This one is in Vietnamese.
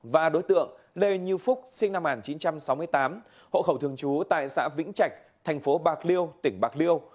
và đối tượng lê như phúc sinh năm một nghìn chín trăm sáu mươi tám hộ khẩu thường trú tại xã vĩnh trạch thành phố bạc liêu tỉnh bạc liêu